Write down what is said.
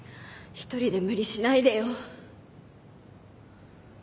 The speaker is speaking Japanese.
一人で無理しないでよ。